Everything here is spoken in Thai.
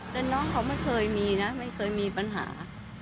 แต่น้องเขาไม่เคยมีนะไม่เคยมีปัญหา